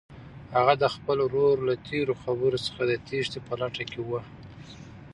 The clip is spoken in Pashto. هغه د خپل ورور له تېرو خبرو څخه د تېښتې په لټه کې وه.